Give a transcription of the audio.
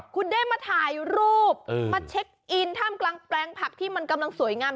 คุณได้มาถ่ายรูปมาเช็คอินท่ามกลางแปลงผักที่มันกำลังสวยงาม